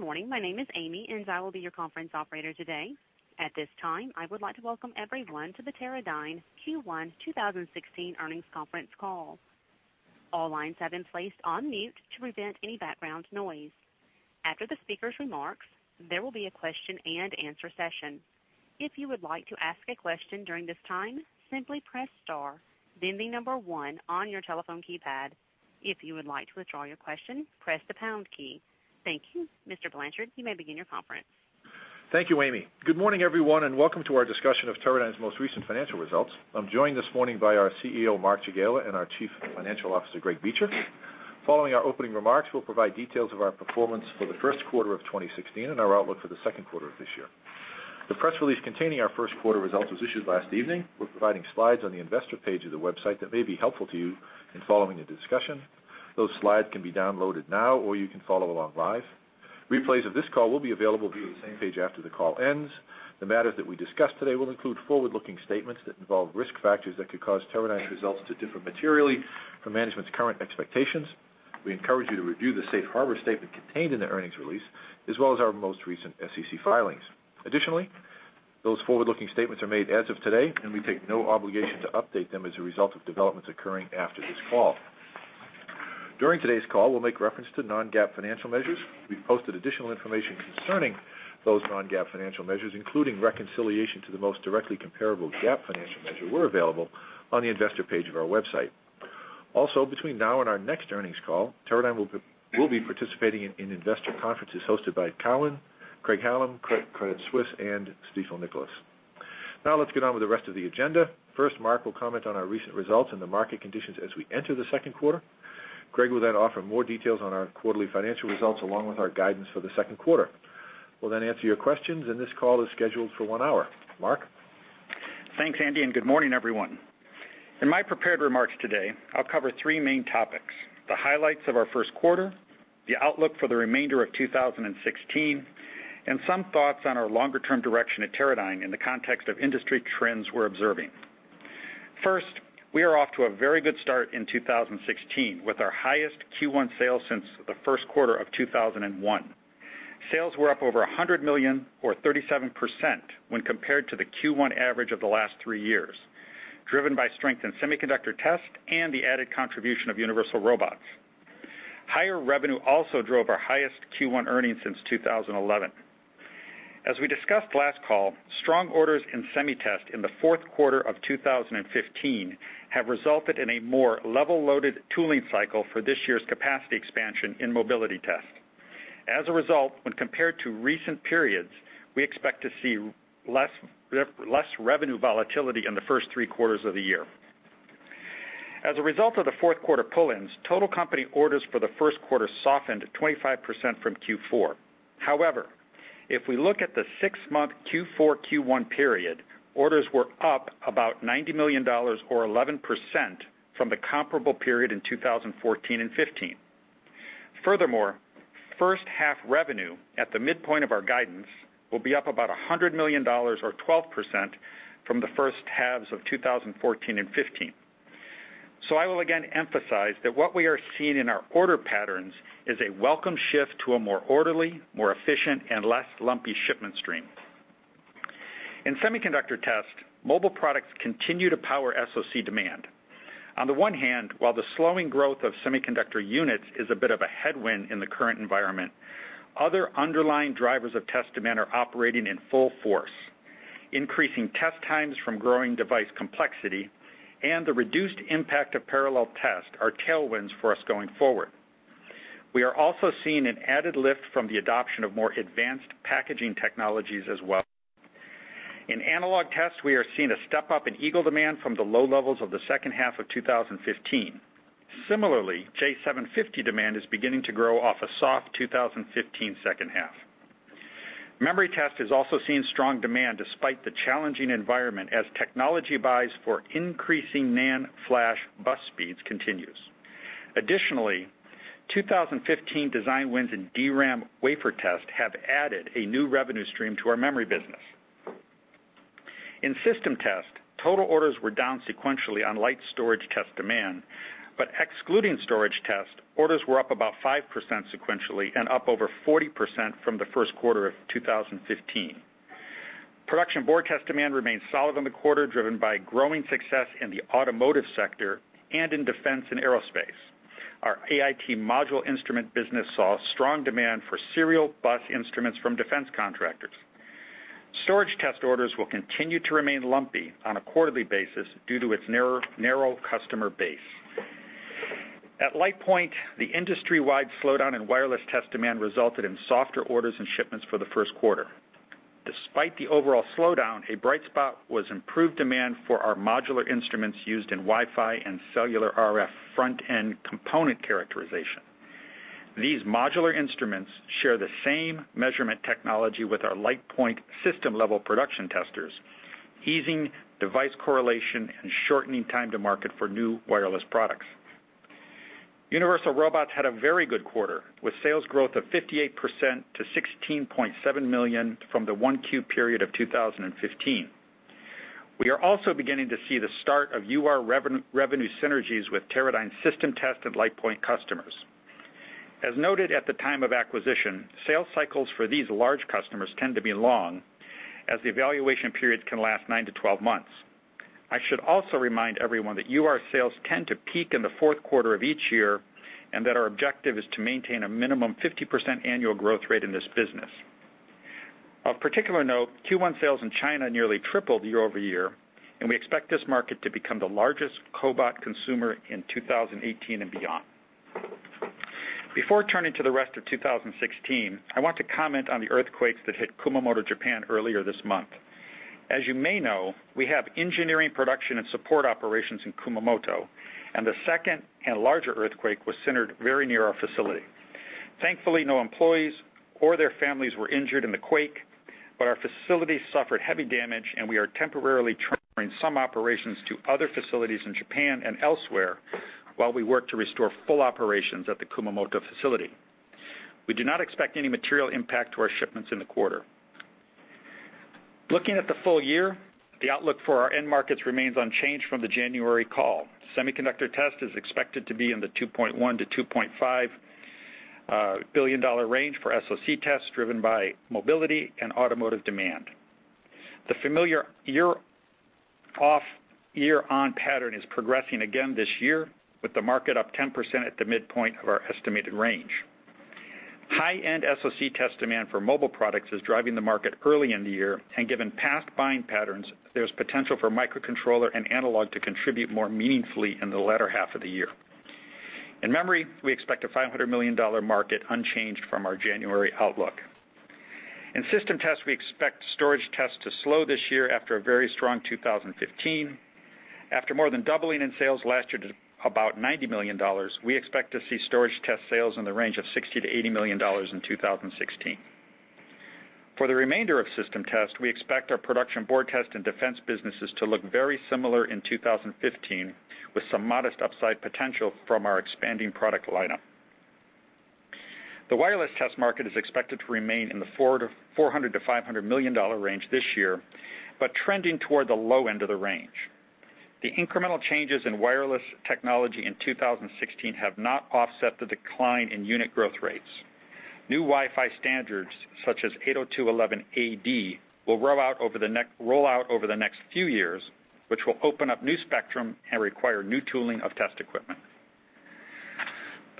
Good morning. My name is Amy, and I will be your conference operator today. At this time, I would like to welcome everyone to the Teradyne Q1 2016 earnings conference call. All lines have been placed on mute to prevent any background noise. After the speaker's remarks, there will be a question-and-answer session. If you would like to ask a question during this time, simply press star, then the number one on your telephone keypad. If you would like to withdraw your question, press the pound key. Thank you. Mr. Blanchard, you may begin your conference. Thank you, Amy. Good morning, everyone, and welcome to our discussion of Teradyne's most recent financial results. I'm joined this morning by our CEO, Mark Jagiela, and our Chief Financial Officer, Gregory Beecher. Following our opening remarks, we'll provide details of our performance for the first quarter of 2016 and our outlook for the second quarter of this year. The press release containing our first quarter results was issued last evening. We're providing slides on the investor page of the website that may be helpful to you in following the discussion. Those slides can be downloaded now, or you can follow along live. Replays of this call will be available through the same page after the call ends. The matters that we discuss today will include forward-looking statements that involve risk factors that could cause Teradyne's results to differ materially from management's current expectations. We encourage you to review the safe harbor statement contained in the earnings release, as well as our most recent SEC filings. Those forward-looking statements are made as of today, and we take no obligation to update them as a result of developments occurring after this call. During today's call, we'll make reference to non-GAAP financial measures. We've posted additional information concerning those non-GAAP financial measures, including reconciliation to the most directly comparable GAAP financial measure where available on the investor page of our website. Also, between now and our next earnings call, Teradyne will be participating in investor conferences hosted by Cowen, Craig-Hallum, Credit Suisse, and Stifel Nicolaus. Let's get on with the rest of the agenda. Mark will comment on our recent results and the market conditions as we enter the second quarter. Greg will then offer more details on our quarterly financial results, along with our guidance for the second quarter. We'll then answer your questions, and this call is scheduled for one hour. Mark? Thanks, Andy. Good morning, everyone. In my prepared remarks today, I'll cover three main topics: the highlights of our first quarter, the outlook for the remainder of 2016, and some thoughts on our longer-term direction at Teradyne in the context of industry trends we're observing. First, we are off to a very good start in 2016, with our highest Q1 sales since the first quarter of 2001. Sales were up over $100 million or 37% when compared to the Q1 average of the last three years, driven by strength in semiconductor test and the added contribution of Universal Robots. Higher revenue also drove our highest Q1 earnings since 2011. As we discussed last call, strong orders in semi test in the fourth quarter of 2015 have resulted in a more level-loaded tooling cycle for this year's capacity expansion in mobility test. When compared to recent periods, we expect to see less revenue volatility in the first three quarters of the year. Of the fourth quarter pull-ins, total company orders for the first quarter softened 25% from Q4. If we look at the six-month Q4-Q1 period, orders were up about $90 million or 11% from the comparable period in 2014 and 2015. First half revenue at the midpoint of our guidance will be up about $100 million or 12% from the first halves of 2014 and 2015. I will again emphasize that what we are seeing in our order patterns is a welcome shift to a more orderly, more efficient, and less lumpy shipment stream. In semiconductor test, mobile products continue to power SoC demand. On the one hand, while the slowing growth of semiconductor units is a bit of a headwind in the current environment, other underlying drivers of test demand are operating in full force. Increasing test times from growing device complexity and the reduced impact of parallel test are tailwinds for us going forward. We are also seeing an added lift from the adoption of more advanced packaging technologies as well. In analog tests, we are seeing a step up in Eagle demand from the low levels of the second half of 2015. Similarly, J750 demand is beginning to grow off a soft 2015 second half. Memory test has also seen strong demand despite the challenging environment as technology buys for increasing NAND flash bus speeds continues. Additionally, 2015 design wins in DRAM wafer test have added a new revenue stream to our memory business. In system test, total orders were down sequentially on light Storage Test demand. Excluding Storage Test, orders were up about 5% sequentially and up over 40% from the first quarter of 2015. Production Board Test demand remained solid in the quarter, driven by growing success in the automotive sector and in Defense & Aerospace. Our AIT module instrument business saw strong demand for serial bus instruments from defense contractors. Storage Test orders will continue to remain lumpy on a quarterly basis due to its narrow customer base. At LitePoint, the industry-wide slowdown in wireless test demand resulted in softer orders and shipments for the first quarter. Despite the overall slowdown, a bright spot was improved demand for our modular instruments used in Wi-Fi and cellular RF front-end component characterization. These modular instruments share the same measurement technology with our LitePoint system-level production testers, easing device correlation and shortening time to market for new wireless products. Universal Robots had a very good quarter, with sales growth of 58% to $16.7 million from the 1Q period of 2015. We are also beginning to see the start of UR revenue synergies with Teradyne system-tested LitePoint customers. As noted at the time of acquisition, sales cycles for these large customers tend to be long, as the evaluation periods can last nine to 12 months. I should also remind everyone that UR sales tend to peak in the fourth quarter of each year, that our objective is to maintain a minimum 50% annual growth rate in this business. Of particular note, Q1 sales in China nearly tripled year-over-year, and we expect this market to become the largest cobot consumer in 2018 and beyond. Before turning to the rest of 2016, I want to comment on the earthquakes that hit Kumamoto, Japan earlier this month. As you may know, we have engineering production and support operations in Kumamoto, and the second and larger earthquake was centered very near our facility. Thankfully, no employees or their families were injured in the quake, our facility suffered heavy damage, and we are temporarily transferring some operations to other facilities in Japan and elsewhere while we work to restore full operations at the Kumamoto facility. We do not expect any material impact to our shipments in the quarter. Looking at the full year, the outlook for our end markets remains unchanged from the January call. Semiconductor test is expected to be in the $2.1 billion-$2.5 billion range for SoC test, driven by mobility and automotive demand. The familiar year off, year on pattern is progressing again this year, with the market up 10% at the midpoint of our estimated range. High-end SoC test demand for mobile products is driving the market early in the year, given past buying patterns, there's potential for microcontroller and analog to contribute more meaningfully in the latter half of the year. In memory, we expect a $500 million market unchanged from our January outlook. In system test, we expect Storage Test to slow this year after a very strong 2015. After more than doubling in sales last year to about $90 million, we expect to see Storage Test sales in the range of $60 million-$80 million in 2016. For the remainder of system test, we expect our Production Board Test and Defense businesses to look very similar in 2015, with some modest upside potential from our expanding product lineup. The wireless test market is expected to remain in the $400 million-$500 million range this year, trending toward the low end of the range. The incremental changes in wireless technology in 2016 have not offset the decline in unit growth rates. New Wi-Fi standards, such as 802.11ad, will roll out over the next few years, which will open up new spectrum and require new tooling of test equipment.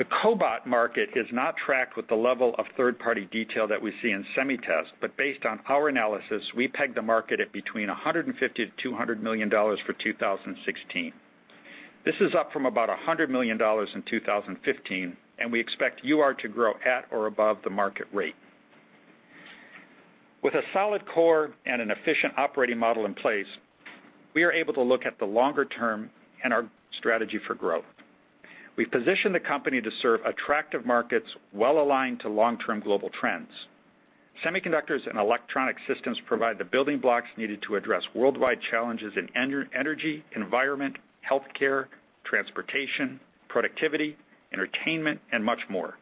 The cobot market is not tracked with the level of third-party detail that we see in semi test, based on our analysis, we peg the market at between $150 million-$200 million for 2016. This is up from about $100 million in 2015, we expect UR to grow at or above the market rate. With a solid core and an efficient operating model in place, we are able to look at the longer term and our strategy for growth. We've positioned the company to serve attractive markets well-aligned to long-term global trends. Semiconductors and electronic systems provide the building blocks needed to address worldwide challenges in energy, environment, healthcare, transportation, productivity, entertainment, and much more.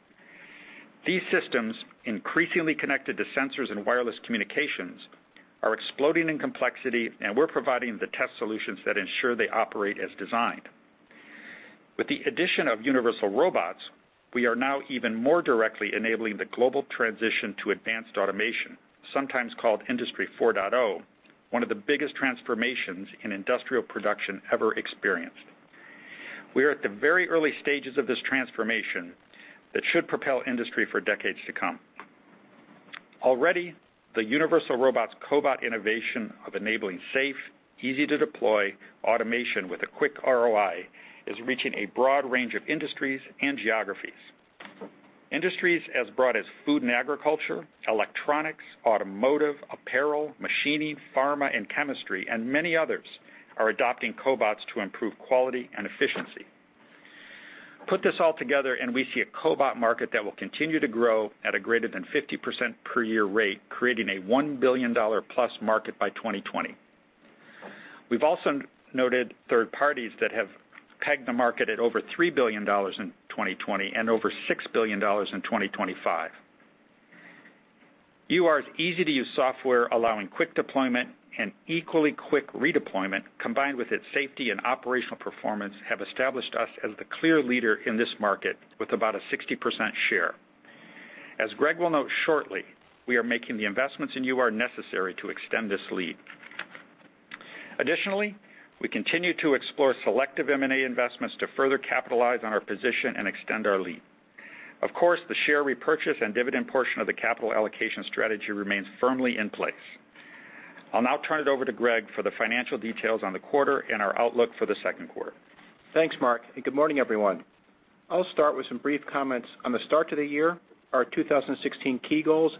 These systems, increasingly connected to sensors and wireless communications, are exploding in complexity, and we're providing the test solutions that ensure they operate as designed. With the addition of Universal Robots, we are now even more directly enabling the global transition to advanced automation, sometimes called Industry 4.0, one of the biggest transformations in industrial production ever experienced. We are at the very early stages of this transformation that should propel industry for decades to come. Already, the Universal Robots' cobot innovation of enabling safe, easy-to-deploy automation with a quick ROI is reaching a broad range of industries and geographies. Industries as broad as food and agriculture, electronics, automotive, apparel, machining, pharma and chemistry, and many others are adopting cobots to improve quality and efficiency. We see a cobot market that will continue to grow at a greater than 50% per year rate, creating a $1 billion plus market by 2020. We've also noted third parties that have pegged the market at over $3 billion in 2020 and over $6 billion in 2025. UR's easy-to-use software allowing quick deployment and equally quick redeployment, combined with its safety and operational performance, have established us as the clear leader in this market with about a 60% share. As Greg will note shortly, we are making the investments in UR necessary to extend this lead. Additionally, we continue to explore selective M&A investments to further capitalize on our position and extend our lead. Of course, the share repurchase and dividend portion of the capital allocation strategy remains firmly in place. I'll now turn it over to Greg for the financial details on the quarter and our outlook for the second quarter. Thanks, Mark. Good morning, everyone. I'll start with some brief comments on the start to the year, our 2016 key goals.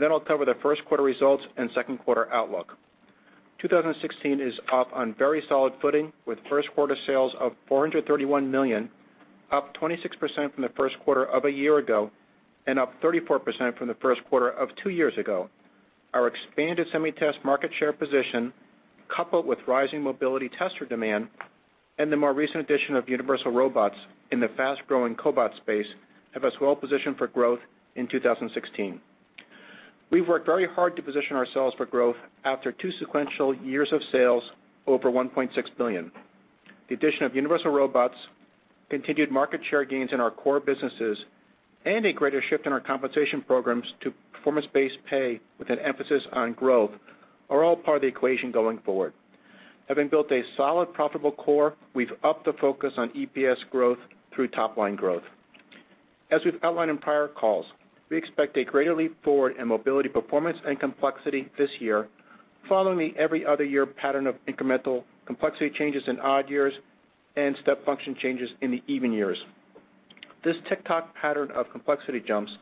I'll cover the first quarter results and second quarter outlook. 2016 is off on very solid footing with first quarter sales of $431 million, up 26% from the first quarter of a year ago, and up 34% from the first quarter of two years ago. Our expanded semi-test market share position, coupled with rising mobility tester demand and the more recent addition of Universal Robots in the fast-growing cobot space, have us well positioned for growth in 2016. We've worked very hard to position ourselves for growth after two sequential years of sales over $1.6 billion. The addition of Universal Robots, continued market share gains in our core businesses, and a greater shift in our compensation programs to performance-based pay with an emphasis on growth, are all part of the equation going forward. Having built a solid, profitable core, we've upped the focus on EPS growth through top-line growth. As we've outlined in prior calls, we expect a greater leap forward in mobility performance and complexity this year, following the every other year pattern of incremental complexity changes in odd years and step function changes in the even years. This tick-tock pattern of complexity jumps,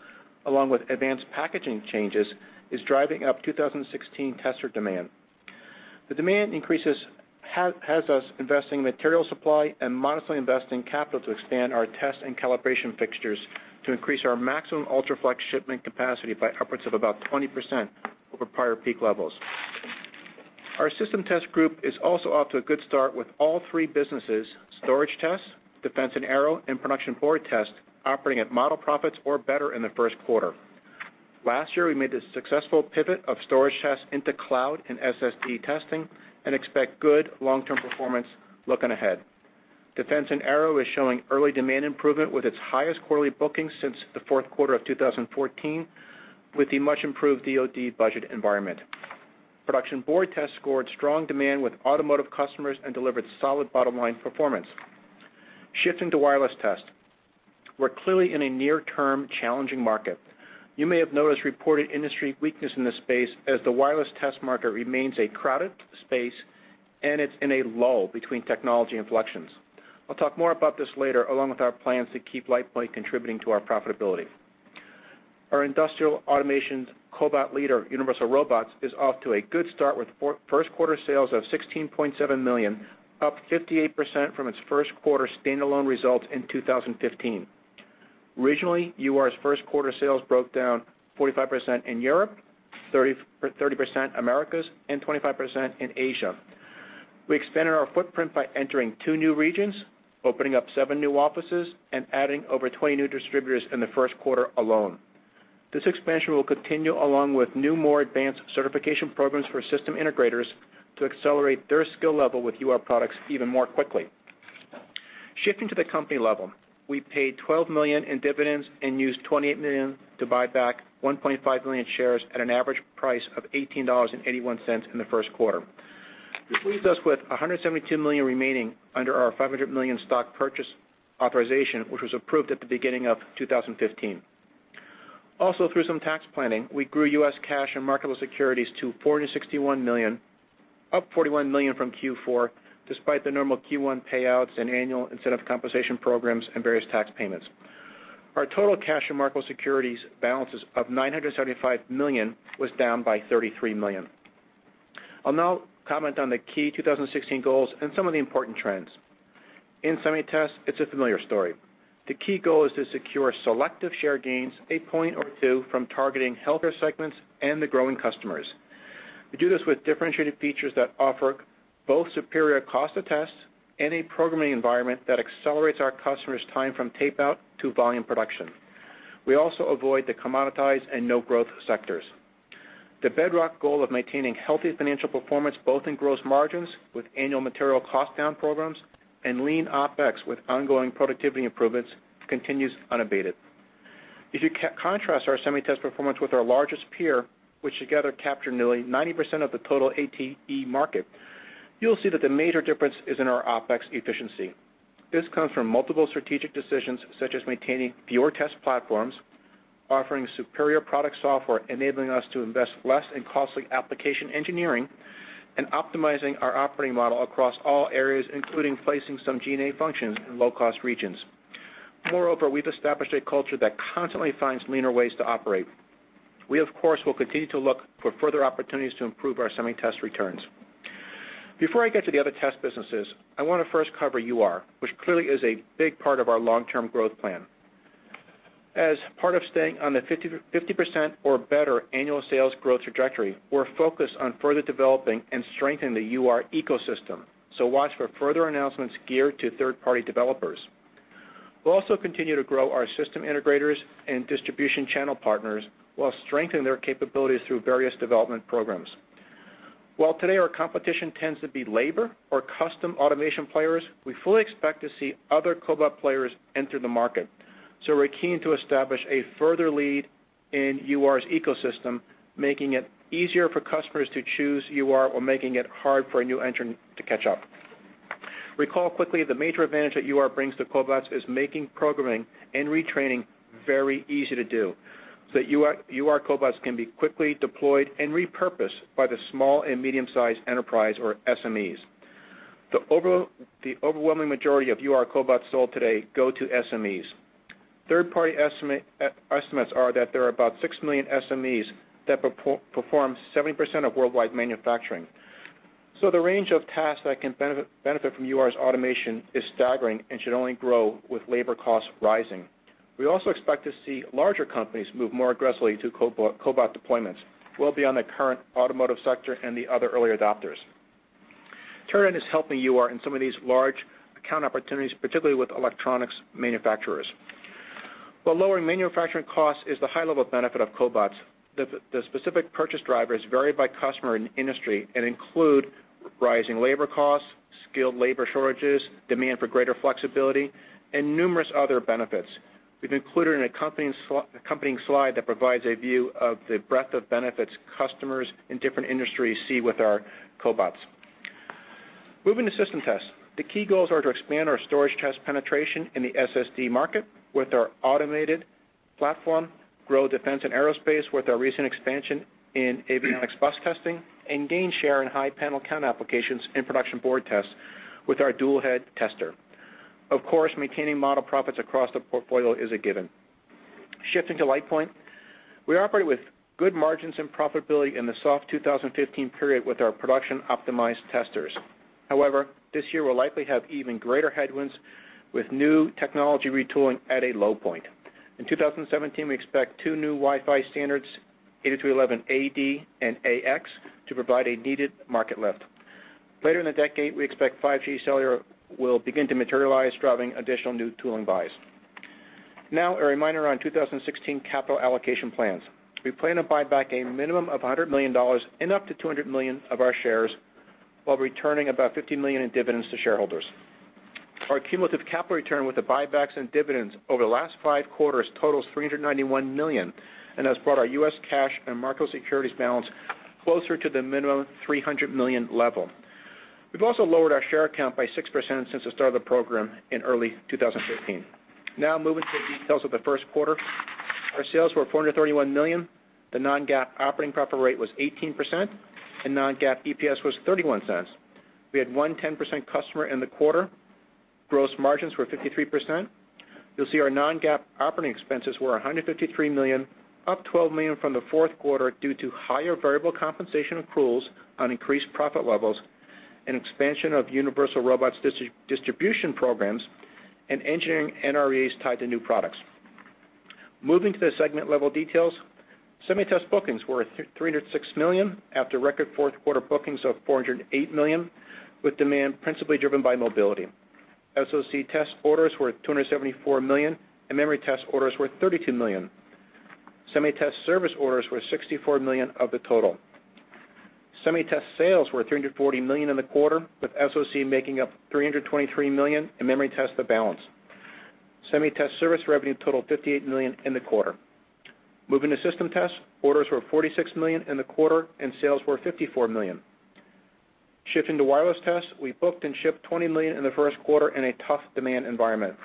along with advanced packaging changes, is driving up 2016 tester demand. The demand increases has us investing in material supply and modestly investing capital to expand our test and calibration fixtures to increase our maximum UltraFLEX shipment capacity by upwards of about 20% over prior peak levels. Our System Test group is also off to a good start with all three businesses, Storage Test, Defense & Aerospace, and Production Board Test, operating at model profits or better in the first quarter. Last year, we made the successful pivot of Storage Test into cloud and SSD testing and expect good long-term performance looking ahead. Defense & Aerospace is showing early demand improvement with its highest quarterly bookings since the fourth quarter of 2014 with the much-improved DoD budget environment. Production Board Test scored strong demand with automotive customers and delivered solid bottom-line performance. Shifting to Wireless Test. We're clearly in a near-term challenging market. You may have noticed reported industry weakness in this space as the wireless test market remains a crowded space and it's in a lull between technology inflections. I'll talk more about this later, along with our plans to keep LitePoint contributing to our profitability. Our Industrial Automation's cobot leader, Universal Robots, is off to a good start with first quarter sales of $16.7 million, up 58% from its first quarter standalone results in 2015. Regionally, UR's first quarter sales broke down 45% in Europe, 30% Americas, and 25% in Asia. We expanded our footprint by entering two new regions, opening up seven new offices, and adding over 20 new distributors in the first quarter alone. This expansion will continue along with new, more advanced certification programs for system integrators to accelerate their skill level with UR products even more quickly. Shifting to the company level, we paid $12 million in dividends and used $28 million to buy back 1.5 million shares at an average price of $18.81 in the first quarter. This leaves us with $172 million remaining under our $500 million stock purchase authorization, which was approved at the beginning of 2015. Through some tax planning, we grew U.S. cash and marketable securities to $461 million, up $41 million from Q4, despite the normal Q1 payouts and annual incentive compensation programs and various tax payments. Our total cash and marketable securities balances of $975 million was down by $33 million. I'll now comment on the key 2016 goals and some of the important trends. In Semi Test, it's a familiar story. The key goal is to secure selective share gains, a point or two from targeting healthcare segments and the growing customers. We do this with differentiated features that offer both superior cost of tests and a programming environment that accelerates our customers' time from tape-out to volume production. We also avoid the commoditized and no-growth sectors. The bedrock goal of maintaining healthy financial performance both in gross margins with annual material cost-down programs and lean OpEx with ongoing productivity improvements continues unabated. If you contrast our Semi Test performance with our largest peer, which together capture nearly 90% of the total ATE market, you'll see that the major difference is in our OpEx efficiency. This comes from multiple strategic decisions such as maintaining fewer test platforms, offering superior product software, enabling us to invest less in costly application engineering, and optimizing our operating model across all areas, including placing some G&A functions in low-cost regions. Moreover, we've established a culture that constantly finds leaner ways to operate. We, of course, will continue to look for further opportunities to improve our Semi Test returns. Before I get to the other test businesses, I want to first cover UR, which clearly is a big part of our long-term growth plan. As part of staying on the 50% or better annual sales growth trajectory, we're focused on further developing and strengthening the UR ecosystem. Watch for further announcements geared to third-party developers. We'll also continue to grow our system integrators and distribution channel partners while strengthening their capabilities through various development programs. While today our competition tends to be labor or custom automation players, we fully expect to see other cobot players enter the market. We're keen to establish a further lead in UR's ecosystem, making it easier for customers to choose UR or making it hard for a new entrant to catch up. Recall quickly, the major advantage that UR brings to cobots is making programming and retraining very easy to do, so that UR cobots can be quickly deployed and repurposed by the small and medium-sized enterprise or SMEs. The overwhelming majority of UR cobots sold today go to SMEs. Third-party estimates are that there are about 6 million SMEs that perform 70% of worldwide manufacturing. The range of tasks that can benefit from UR's automation is staggering and should only grow with labor costs rising. We also expect to see larger companies move more aggressively to cobot deployments, well beyond the current automotive sector and the other early adopters. Teradyne is helping UR in some of these large account opportunities, particularly with electronics manufacturers. While lowering manufacturing costs is the high-level benefit of cobots, the specific purchase drivers vary by customer and industry and include rising labor costs, skilled labor shortages, demand for greater flexibility, and numerous other benefits. We've included an accompanying slide that provides a view of the breadth of benefits customers in different industries see with our cobots. Moving to System Test. The key goals are to expand our Storage Test penetration in the SSD market with our automated platform, grow Defense & Aerospace with our recent expansion in ARINC bus testing, and gain share in high panel count applications in Production Board Test with our dual head tester. Of course, maintaining model profits across the portfolio is a given. Shifting to LitePoint. We operate with good margins and profitability in the soft 2015 period with our production-optimized testers. However, this year we'll likely have even greater headwinds with new technology retooling at a low point. In 2017, we expect two new Wi-Fi standards, 802.11ad and AX, to provide a needed market lift. Later in the decade, we expect 5G cellular will begin to materialize, driving additional new tooling buys. A reminder on 2016 capital allocation plans. We plan to buy back a minimum of $100 million and up to $200 million of our shares while returning about $50 million in dividends to shareholders. Our cumulative capital return with the buybacks and dividends over the last five quarters totals $391 million and has brought our U.S. cash and market securities balance closer to the minimum $300 million level. We've also lowered our share count by 6% since the start of the program in early 2015. Moving to the details of the first quarter. Our sales were $431 million. The non-GAAP operating profit rate was 18%, and non-GAAP EPS was $0.31. We had one 10% customer in the quarter. Gross margins were 53%. You'll see our non-GAAP operating expenses were $153 million, up $12 million from the fourth quarter due to higher variable compensation accruals on increased profit levels, expansion of Universal Robots distribution programs, and engineering NREs tied to new products. Moving to the segment level details. Semi Test bookings were $306 million after record fourth quarter bookings of $408 million, with demand principally driven by mobility. SoC test orders were $274 million, and memory test orders were $32 million. Semi test service orders were $64 million of the total. Semi test sales were $340 million in the quarter, with SoC making up $323 million, and memory test, the balance. Semi test service revenue totaled $58 million in the quarter. Moving to system tests, orders were $46 million in the quarter, and sales were $54 million. Shifting to wireless tests, we booked and shipped $20 million in the first quarter in a tough demand environment.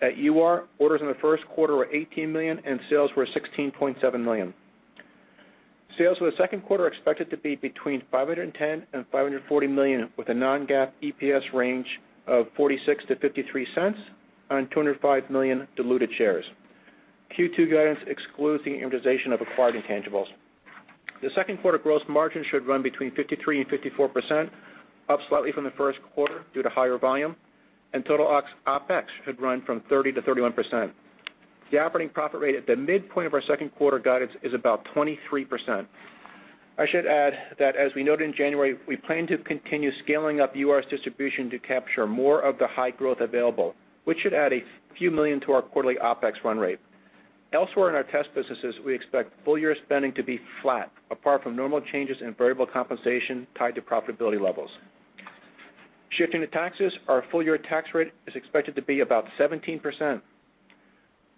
At UR, orders in the first quarter were $18 million, and sales were $16.7 million. Sales for the second quarter are expected to be between $510 million and $540 million, with a non-GAAP EPS range of $0.46 to $0.53 on 205 million diluted shares. Q2 guidance excludes the amortization of acquired intangibles. The second quarter gross margin should run between 53% and 54%, up slightly from the first quarter due to higher volume, and total OpEx should run from 30%-31%. The operating profit rate at the midpoint of our second quarter guidance is about 23%. I should add that, as we noted in January, we plan to continue scaling up UR's distribution to capture more of the high growth available, which should add a few million to our quarterly OpEx run rate. Elsewhere in our test businesses, we expect full-year spending to be flat, apart from normal changes in variable compensation tied to profitability levels. Shifting to taxes, our full-year tax rate is expected to be about 17%.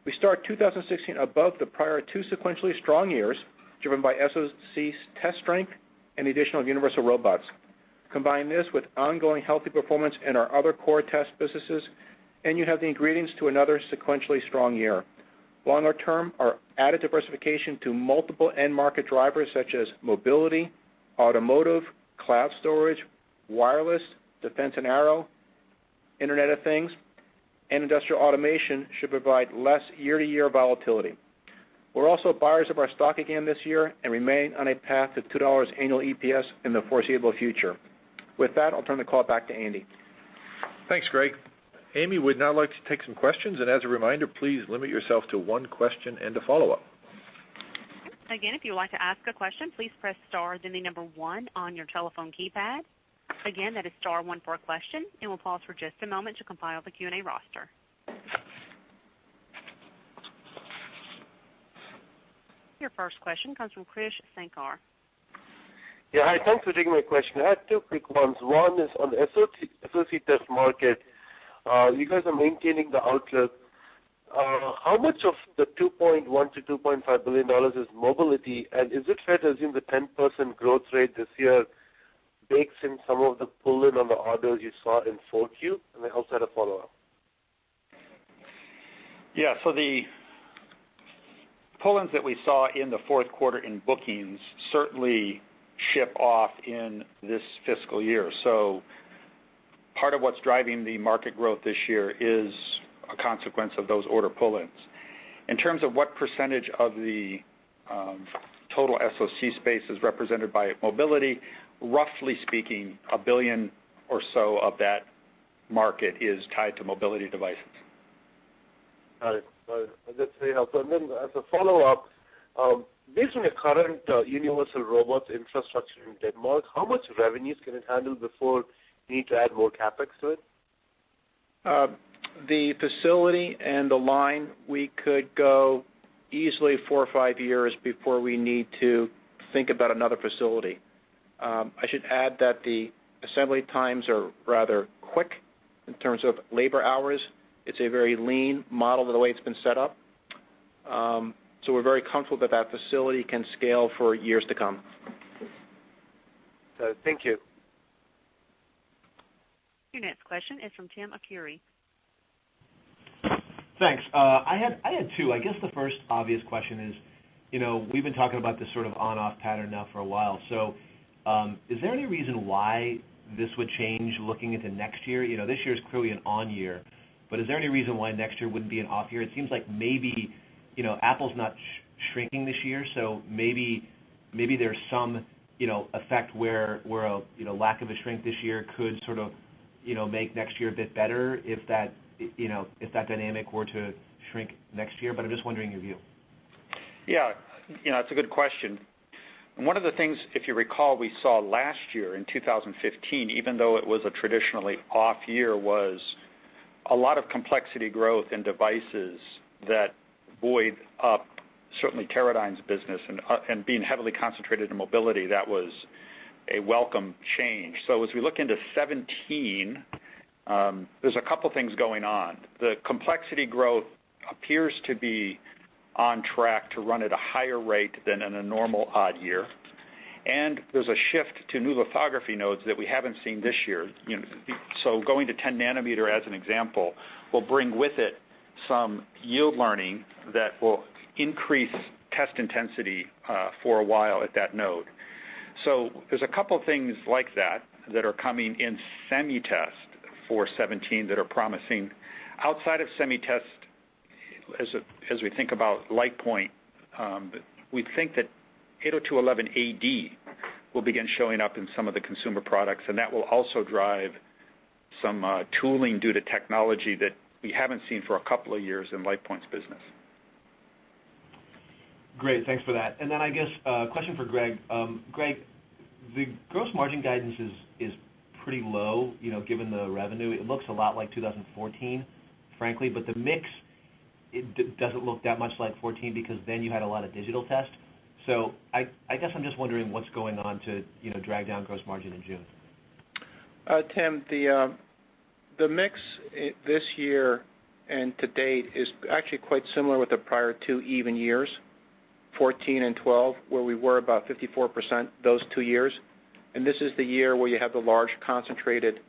We start 2016 above the prior two sequentially strong years, driven by SoC's test strength and the addition of Universal Robots. Combine this with ongoing healthy performance in our other core test businesses, you have the ingredients to another sequentially strong year. Longer term, our added diversification to multiple end market drivers such as mobility, automotive, cloud storage, wireless, Defense & Aerospace, Internet of Things, and industrial automation should provide less year-to-year volatility. We're also buyers of our stock again this year and remain on a path to $2 annual EPS in the foreseeable future. With that, I'll turn the call back to Andy. Thanks, Greg. Amy would now like to take some questions. As a reminder, please limit yourself to one question and a follow-up. If you would like to ask a question, please press star, then the number one on your telephone keypad. Again, that is star one for a question. We'll pause for just a moment to compile the Q&A roster. Your first question comes from Krish Sankar. Yeah. Hi, thanks for taking my question. I had two quick ones. One is on the SoC test market. You guys are maintaining the outlook. How much of the $2.1 billion-$2.5 billion is mobility? Is it fair to assume the 10% growth rate this year bakes in some of the pull-in on the orders you saw in 4Q? I also had a follow-up. The pull-ins that we saw in the fourth quarter in bookings certainly ship off in this fiscal year. Part of what's driving the market growth this year is a consequence of those order pull-ins. In terms of what percentage of the total SoC space is represented by mobility, roughly speaking, $1 billion or so of that market is tied to mobility devices. All right. As a follow-up, based on your current Universal Robots infrastructure in Denmark, how much revenues can it handle before you need to add more CapEx to it? The facility and the line, we could go easily four or five years before we need to think about another facility. I should add that the assembly times are rather quick in terms of labor hours. It's a very lean model the way it's been set up. We're very comfortable that that facility can scale for years to come. Thank you. Your next question is from Timothy Arcuri. Thanks. I had two. I guess the first obvious question is, we've been talking about this sort of on-off pattern now for a while. Is there any reason why this would change looking into next year? This year is clearly an on year, is there any reason why next year wouldn't be an off year? It seems like maybe Apple's not shrinking this year, maybe there's some effect where a lack of a shrink this year could sort of make next year a bit better if that dynamic were to shrink next year. I'm just wondering your view. Yeah. It's a good question. One of the things, if you recall, we saw last year in 2015, even though it was a traditionally off year, was a lot of complexity growth in devices that buoyed up certainly Teradyne's business and being heavily concentrated in mobility, that was a welcome change. As we look into 2017, there's a couple things going on. The complexity growth appears to be on track to run at a higher rate than in a normal odd year, there's a shift to new lithography nodes that we haven't seen this year. Going to 10 nanometer, as an example, will bring with it some yield learning that will increase test intensity for a while at that node. There's a couple things like that that are coming in SemiTest for 2017 that are promising. Outside of SemiTest, as we think about LitePoint, we think that 802.11ad will begin showing up in some of the consumer products, that will also drive some tooling due to technology that we haven't seen for a couple of years in LitePoint's business. Great. Thanks for that. I guess, a question for Greg. Greg, the gross margin guidance is pretty low, given the revenue. It looks a lot like 2014, frankly, but the mix, it doesn't look that much like 2014 because then you had a lot of digital tests. I guess I'm just wondering what's going on to drag down gross margin in June. Tim, the mix this year and to date is actually quite similar with the prior two even years, 2014 and 2012, where we were about 54% those two years. This is the year where you have the large concentrated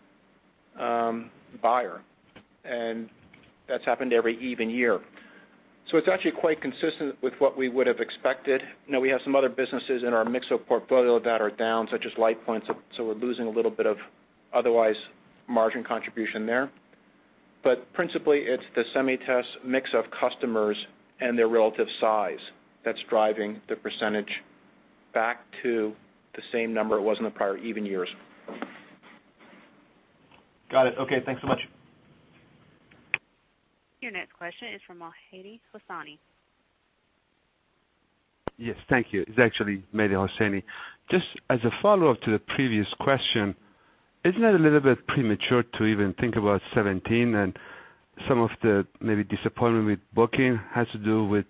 buyer, and that's happened every even year. It's actually quite consistent with what we would have expected. Now we have some other businesses in our mix of portfolio that are down, such as LitePoint, so we're losing a little bit of otherwise margin contribution there. Principally, it's the SemiTest mix of customers and their relative size that's driving the percentage back to the same number it was in the prior even years. Got it. Okay, thanks so much. Your next question is from Mehdi Hosseini. Yes, thank you. It's actually Mehdi Hosseini. Just as a follow-up to the previous question, isn't that a little bit premature to even think about 2017 and some of the maybe disappointment with booking has to do with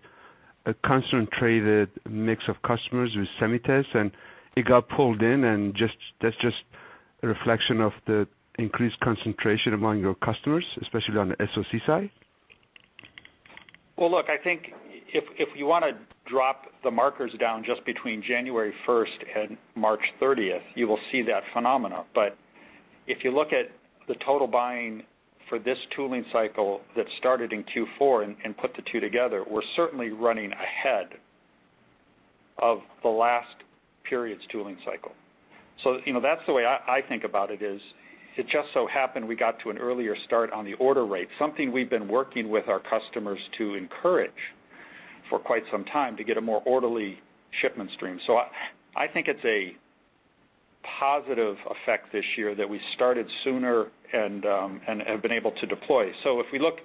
a concentrated mix of customers with SemiTest, and it got pulled in and that's just a reflection of the increased concentration among your customers, especially on the SoC side? Well, look, I think if you want to drop the markers down just between January 1st and March 30th, you will see that phenomena. If you look at the total buying for this tooling cycle that started in Q4 and put the two together, we're certainly running ahead of the last period's tooling cycle. That's the way I think about it, is it just so happened we got to an earlier start on the order rate, something we've been working with our customers to encourage for quite some time to get a more orderly shipment stream. I think it's a positive effect this year that we started sooner and have been able to deploy. If we look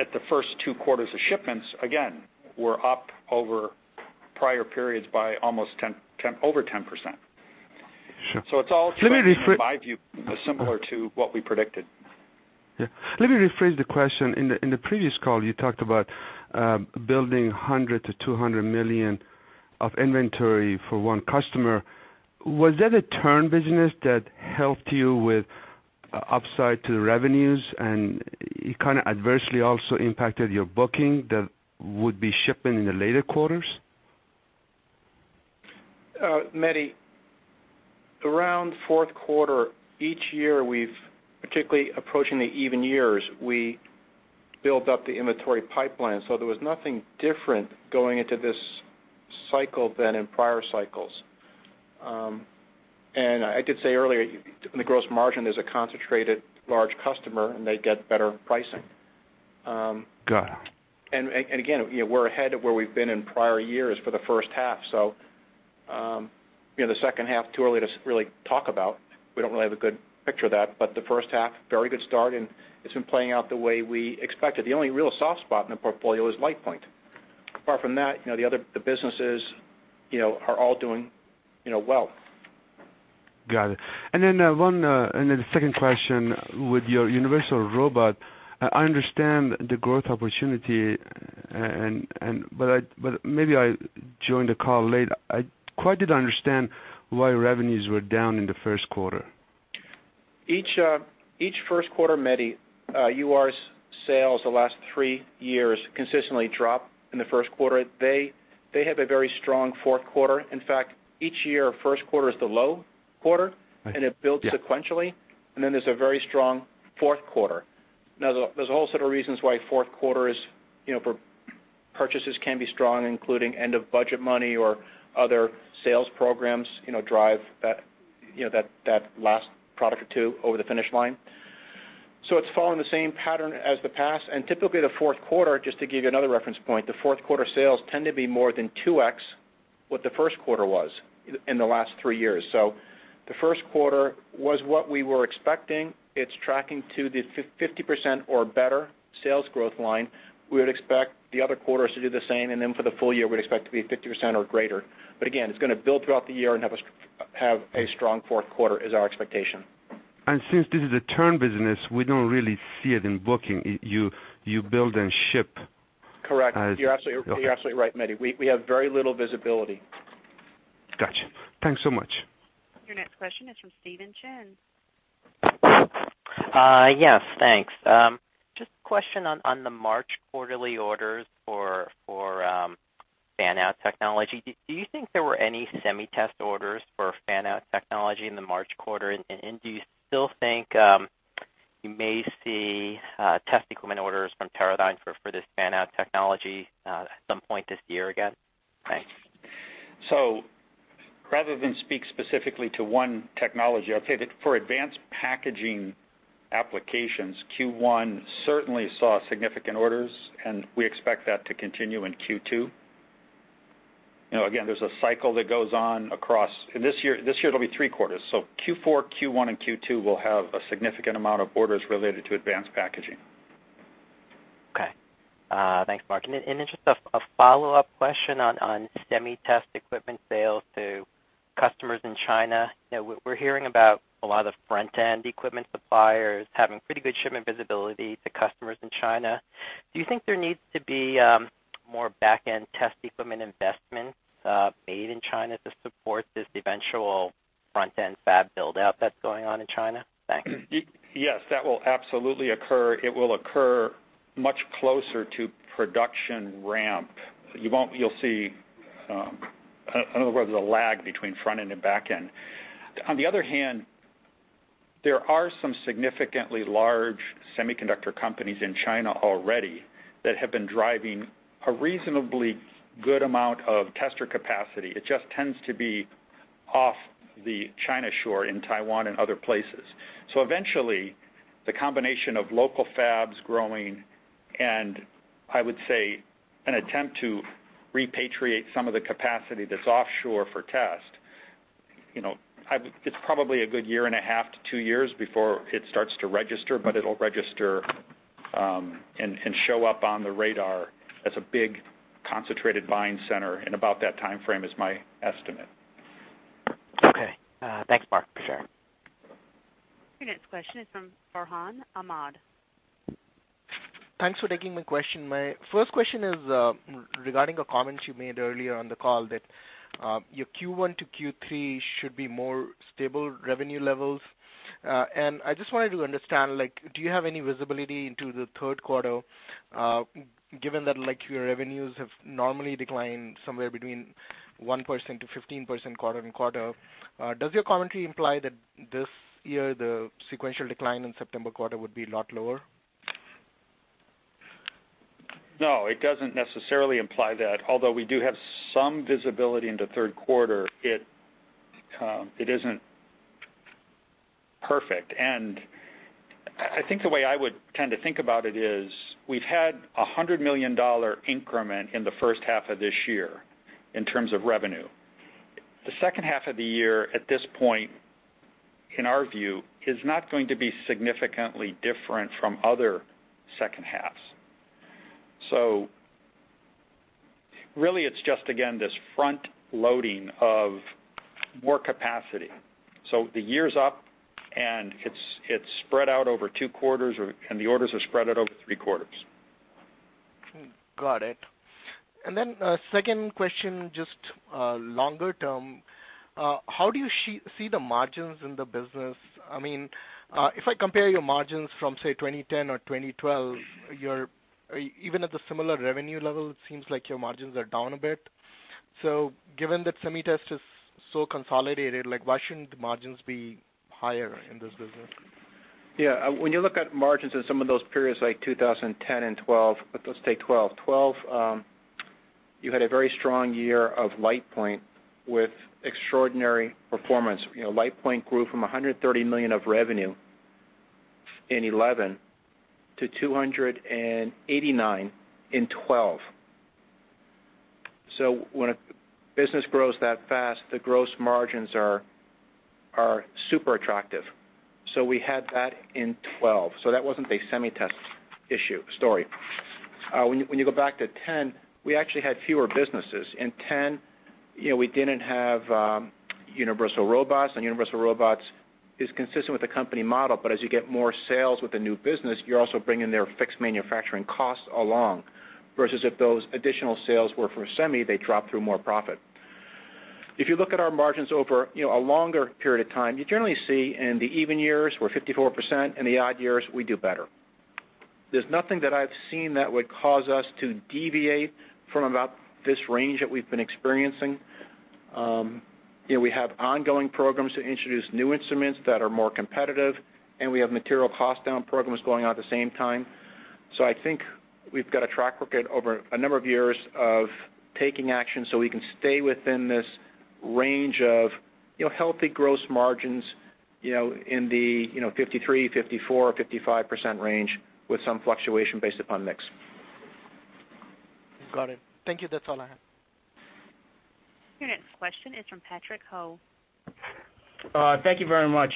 at the first two quarters of shipments, again, we're up over prior periods by almost over 10%. Sure. It's all, in my view, similar to what we predicted. Yeah. Let me rephrase the question. In the previous call, you talked about building $100 million-$200 million of inventory for one customer. Was that a turn business that helped you with upside to the revenues, and it kind of adversely also impacted your booking that would be shipping in the later quarters? Mehdi, around fourth quarter, each year, particularly approaching the even years, we build up the inventory pipeline, so there was nothing different going into this cycle than in prior cycles. I did say earlier, in the gross margin, there's a concentrated large customer, and they get better pricing. Got it. Again, we're ahead of where we've been in prior years for the first half. The second half, too early to really talk about. We don't really have a good picture of that, the first half, very good start, and it's been playing out the way we expected. The only real soft spot in the portfolio is LitePoint. Apart from that, the businesses are all doing well. Got it. The second question, with your Universal Robots, I understand the growth opportunity, maybe I joined the call late. I quite didn't understand why revenues were down in the first quarter. Each first quarter, Mehdi, UR's sales the last three years consistently drop in the first quarter. They have a very strong fourth quarter. In fact, each year, first quarter is the low quarter, and it builds sequentially, and then there's a very strong fourth quarter. There's a whole set of reasons why fourth quarters purchases can be strong, including end-of-budget money or other sales programs drive that last product or two over the finish line. It's following the same pattern as the past, and typically the fourth quarter, just to give you another reference point, the fourth quarter sales tend to be more than 2x what the first quarter was in the last three years. The first quarter was what we were expecting. It's tracking to the 50% or better sales growth line. We would expect the other quarters to do the same, then for the full year, we'd expect to be 50% or greater. Again, it's going to build throughout the year and have a strong fourth quarter, is our expectation. Since this is a turn business, we don't really see it in booking. You build and ship. Correct. You're absolutely right, Mehdi. We have very little visibility. Got you. Thanks so much. Your next question is from Steven Chen. Yes, thanks. Just a question on the March quarterly orders for fan-out technology. Do you think there were any semi test orders for fan-out technology in the March quarter, and do you still think you may see test equipment orders from Teradyne for this fan-out technology at some point this year again? Thanks. Rather than speak specifically to one technology, I'll tell you that for advanced packaging applications, Q1 certainly saw significant orders, and we expect that to continue in Q2. Again, there's a cycle that goes on this year it'll be three quarters. Q4, Q1, and Q2 will have a significant amount of orders related to advanced packaging. Okay. Thanks, Mark. Just a follow-up question on semi test equipment sales to customers in China. We're hearing about a lot of front-end equipment suppliers having pretty good shipment visibility to customers in China. Do you think there needs to be more back-end test equipment investments made in China to support this eventual front-end fab build-out that's going on in China? Thanks. Yes, that will absolutely occur. It will occur much closer to production ramp. You'll see another word of the lag between front-end and back-end. On the other hand, there are some significantly large semiconductor companies in China already that have been driving a reasonably good amount of tester capacity. It just tends to be off the China shore in Taiwan and other places. Eventually, the combination of local fabs growing and I would say an attempt to repatriate some of the capacity that's offshore for test, it's probably a good year and a half to two years before it starts to register, but it'll register and show up on the radar as a big concentrated buying center in about that timeframe is my estimate. Okay. Thanks, Mark. Sure. Your next question is from Farhan Ahmad. Thanks for taking my question. My first question is regarding a comment you made earlier on the call that your Q1 to Q3 should be more stable revenue levels. I just wanted to understand, do you have any visibility into the third quarter, given that your revenues have normally declined somewhere between 1%-15% quarter-on-quarter? Does your commentary imply that this year the sequential decline in September quarter would be a lot lower? No, it doesn't necessarily imply that. Although we do have some visibility into third quarter, it isn't perfect. I think the way I would tend to think about it is we've had a $100 million increment in the first half of this year in terms of revenue. The second half of the year, at this point, in our view, is not going to be significantly different from other second halves. Really it's just, again, this front loading of more capacity. The year's up, and it's spread out over two quarters, and the orders are spread out over three quarters. Got it. Second question, just longer term, how do you see the margins in the business? If I compare your margins from, say, 2010 or 2012, even at the similar revenue level, it seems like your margins are down a bit. Given that semi test is so consolidated, why shouldn't the margins be higher in this business? Yeah. When you look at margins in some of those periods, like 2010 and 2012, let's take 2012. 2012, you had a very strong year of LitePoint with extraordinary performance. LitePoint grew from $130 million of revenue in 2011 to $289 million in 2012. When a business grows that fast, the gross margins are super attractive. We had that in 2012, that wasn't a semi test issue story. When you go back to 2010, we actually had fewer businesses. In 2010, we didn't have Universal Robots, and Universal Robots is consistent with the company model, but as you get more sales with the new business, you're also bringing their fixed manufacturing costs along, versus if those additional sales were for semi, they drop through more profit. If you look at our margins over a longer period of time, you generally see in the even years we're 54%, in the odd years, we do better. There's nothing that I've seen that would cause us to deviate from about this range that we've been experiencing. We have ongoing programs to introduce new instruments that are more competitive, and we have material cost-down programs going on at the same time. I think we've got a track record over a number of years of taking action so we can stay within this range of healthy gross margins, in the 53%, 54%, 55% range with some fluctuation based upon mix. Got it. Thank you. That's all I have. Your next question is from Patrick Ho. Thank you very much.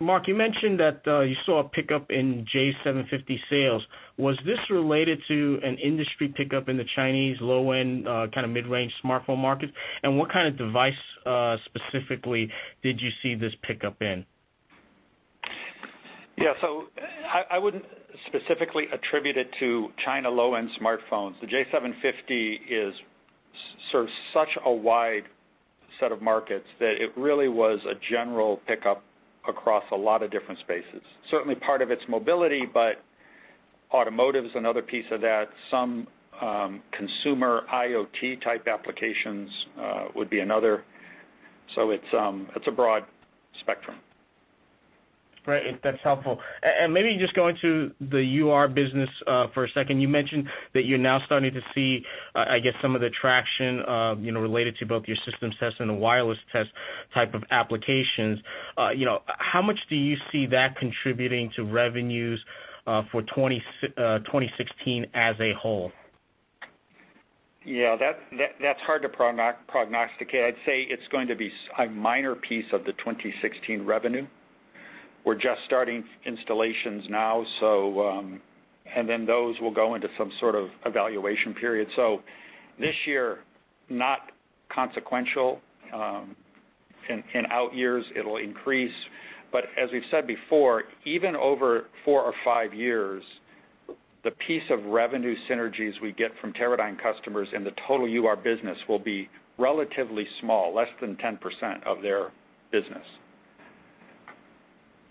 Mark, you mentioned that you saw a pickup in J750 sales. Was this related to an industry pickup in the Chinese low-end, mid-range smartphone market? What kind of device, specifically, did you see this pickup in? I wouldn't specifically attribute it to China low-end smartphones. The J750 serves such a wide set of markets that it really was a general pickup across a lot of different spaces. Certainly part of its mobility, but automotive's another piece of that. Some consumer IoT-type applications would be another. It's a broad spectrum. Great. That's helpful. Maybe just going to the UR business for a second, you mentioned that you're now starting to see, I guess, some of the traction, related to both your systems test and the wireless test type of applications. How much do you see that contributing to revenues for 2016 as a whole? That's hard to prognosticate. I'd say it's going to be a minor piece of the 2016 revenue. We're just starting installations now, then those will go into some sort of evaluation period. This year, not consequential. In out years, it'll increase. As we've said before, even over four or five years, the piece of revenue synergies we get from Teradyne customers in the total UR business will be relatively small, less than 10% of their business.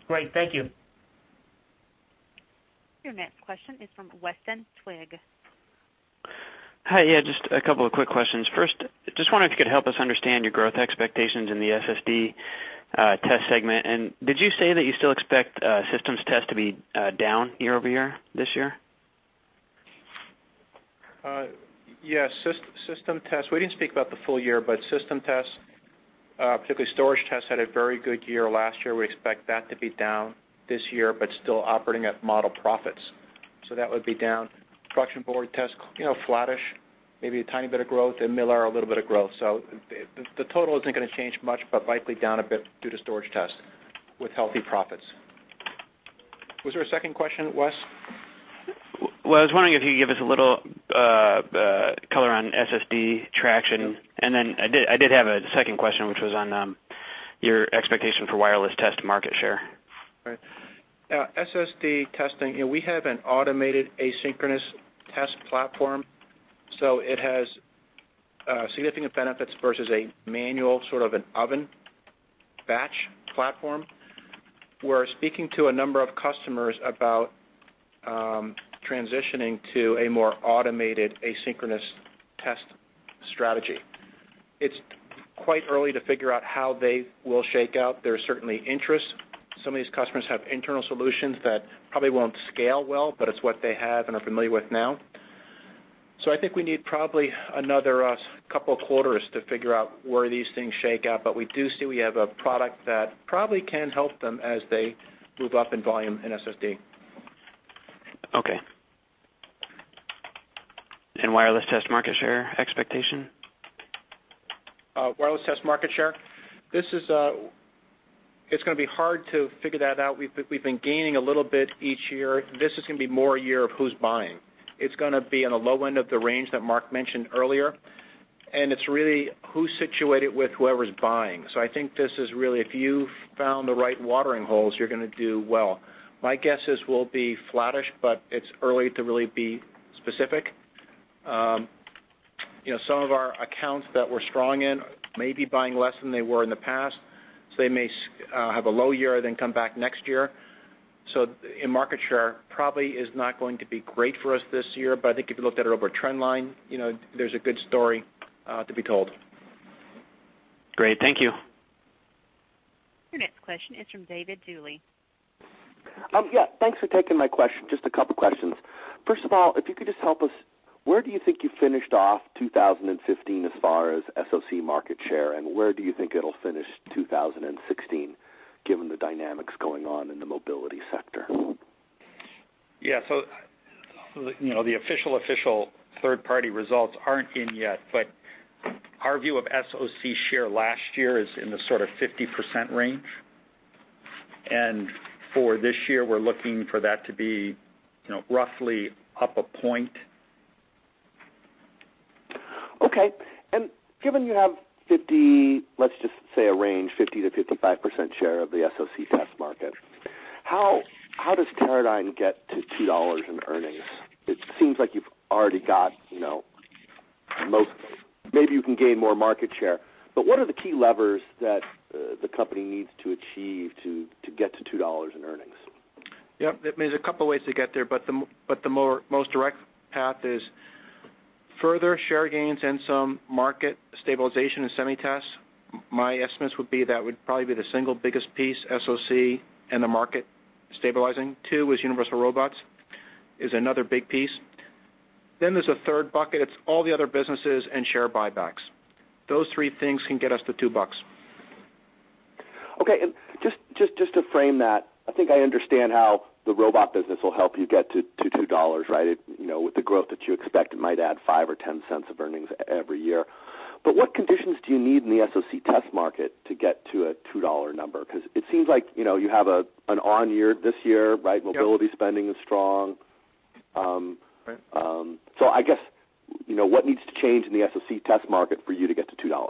Great. Thank you. Your next question is from Weston Twigg. Hi. Yeah, just a couple of quick questions. First, just wondering if you could help us understand your growth expectations in the SSD test segment. Did you say that you still expect System Test to be down year-over-year this year? Yes. System Test, we didn't speak about the full year, but System Test, particularly Storage Test, had a very good year last year. We expect that to be down this year, but still operating at model profits. That would be down. Production Board Test, flattish, maybe a tiny bit of growth, and MiR, a little bit of growth. The total isn't going to change much, but likely down a bit due to Storage Test with healthy profits. Was there a second question, Wes? Well, I was wondering if you could give us a little color on SSD traction. I did have a second question, which was on your expectation for Wireless Test market share. Right. SSD testing, we have an automated asynchronous test platform. It has significant benefits versus a manual, sort of an oven batch platform. We're speaking to a number of customers about transitioning to a more automated asynchronous test strategy. It's quite early to figure out how they will shake out. There's certainly interest. Some of these customers have internal solutions that probably won't scale well, but it's what they have and are familiar with now. I think we need probably another couple of quarters to figure out where these things shake out, but we do see we have a product that probably can help them as they move up in volume in SSD. Okay. Wireless test market share expectation? Wireless test market share. It's going to be hard to figure that out. We've been gaining a little bit each year. This is going to be more a year of who's buying. It's going to be on the low end of the range that Mark mentioned earlier, and it's really who's situated with whoever's buying. I think this is really, if you've found the right watering holes, you're going to do well. My guess is we'll be flattish, but it's early to really be specific. Some of our accounts that we're strong in may be buying less than they were in the past, so they may have a low year, then come back next year. Market share probably is not going to be great for us this year, but I think if you looked at it over a trend line, there's a good story to be told. Great. Thank you. Your next question is from David Duley. Yeah, thanks for taking my question. Just a couple questions. First of all, if you could just help us, where do you think you finished off 2015 as far as SoC market share, and where do you think it'll finish 2016 given the dynamics going on in the mobility sector? Yeah. The official third-party results aren't in yet, but our view of SoC share last year is in the sort of 50% range. For this year, we're looking for that to be roughly up a point. Okay. Given you have 50, let's just say a range, 50%-55% share of the SoC test market, how does Teradyne get to $2 in earnings? It seems like you've already got most Maybe you can gain more market share. What are the key levers that the company needs to achieve to get to $2 in earnings? Yep. There's a couple ways to get there, but the most direct path is further share gains and some market stabilization in SemiTest. My estimates would be that would probably be the single biggest piece, SoC, and the market stabilizing. Two is Universal Robots, is another big piece. Then there's a third bucket, it's all the other businesses and share buybacks. Those three things can get us to $2. Okay. Just to frame that, I think I understand how the robot business will help you get to $2, right? With the growth that you expect, it might add $0.05 or $0.10 of earnings every year. What conditions do you need in the SoC test market to get to a $2 number? It seems like you have an on year this year, right? Yep. Mobility spending is strong. Right. I guess, what needs to change in the SoC test market for you to get to $2?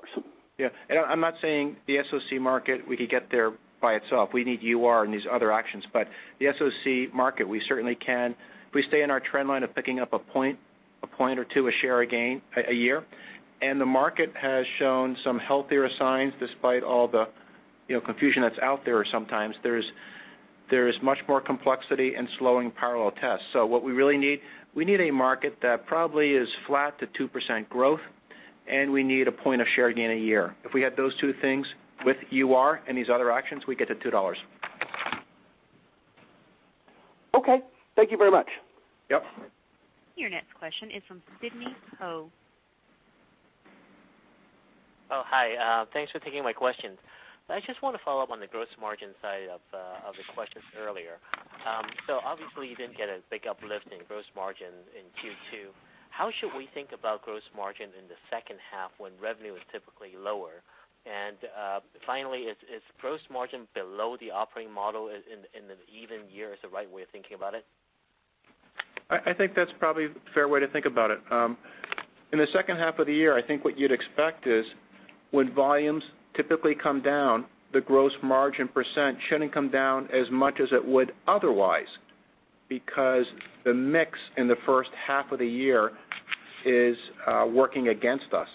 Yeah. I'm not saying the SoC market, we could get there by itself. We need UR and these other actions. The SoC market, we certainly can, if we stay in our trend line of picking up a point or two of share a year. The market has shown some healthier signs despite all the confusion that's out there sometimes. There is much more complexity and slowing parallel tests. What we really need, we need a market that probably is flat to 2% growth, and we need a point of share gain a year. If we get those two things with UR and these other actions, we get to $2. Okay. Thank you very much. Yep. Your next question is from Sidney Ho. Hi. Thanks for taking my questions. I just want to follow up on the gross margin side of the questions earlier. Obviously you didn't get a big uplift in gross margin in Q2. How should we think about gross margin in the second half when revenue is typically lower? Finally, is gross margin below the operating model in the even year is the right way of thinking about it? I think that's probably a fair way to think about it. In the second half of the year, I think what you'd expect is when volumes typically come down, the gross margin percent shouldn't come down as much as it would otherwise, because the mix in the first half of the year is working against us.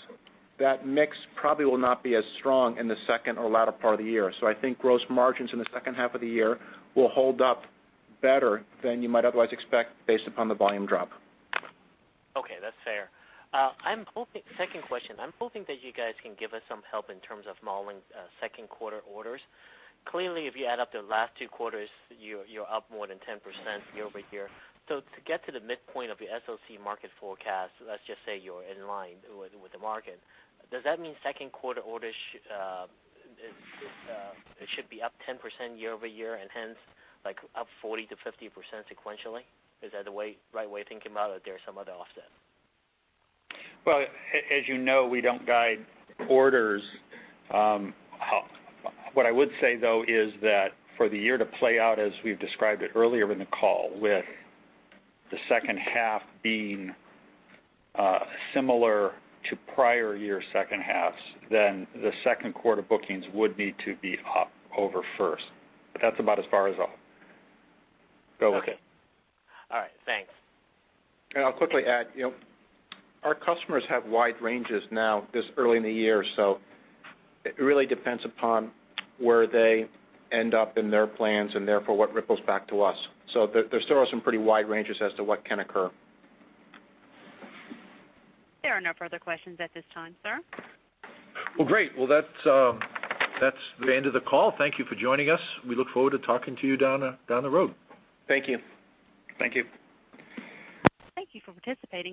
That mix probably will not be as strong in the second or latter part of the year. I think gross margins in the second half of the year will hold up better than you might otherwise expect based upon the volume drop. Okay. That's fair. Second question, I'm hoping that you guys can give us some help in terms of modeling second quarter orders. Clearly, if you add up the last two quarters, you're up more than 10% year-over-year. To get to the midpoint of your SoC market forecast, let's just say you're in line with the market. Does that mean second quarter orders should be up 10% year-over-year and hence up 40%-50% sequentially? Is that the right way of thinking about it, or there is some other offset? Well, as you know, we don't guide orders. What I would say, though, is that for the year to play out as we've described it earlier in the call, with the second half being similar to prior year's second halves, the second quarter bookings would need to be up over first. That's about as far as I'll go with it. Okay. All right. Thanks. I'll quickly add, our customers have wide ranges now this early in the year, it really depends upon where they end up in their plans and therefore what ripples back to us. There still are some pretty wide ranges as to what can occur. There are no further questions at this time, sir. Well, great. Well, that's the end of the call. Thank you for joining us. We look forward to talking to you down the road. Thank you. Thank you. Thank you for participating.